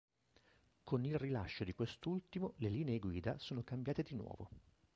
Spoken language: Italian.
Con il rilascio di quest'ultimo, le linee guida sono cambiate di nuovo.